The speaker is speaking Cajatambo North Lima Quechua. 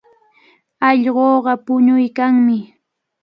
Allquqa puñuykanmi.